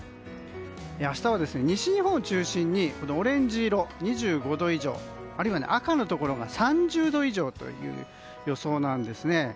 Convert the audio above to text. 明日は、西日本を中心にオレンジ色、２５度以上あるいは赤のところが３０度以上という予想なんです。